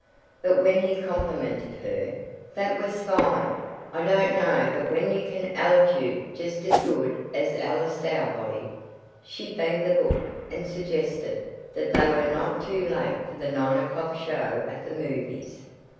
But when he complimented her, "That was fine. I don't know but what you can elocute just as good as Ella Stowbody," she banged the book and suggested that they were not too late for the nine o'clock show at the movies.